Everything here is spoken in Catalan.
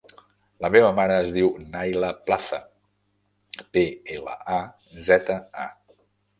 La meva mare es diu Nayla Plaza: pe, ela, a, zeta, a.